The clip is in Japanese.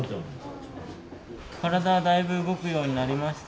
体はだいぶ動くようになりました？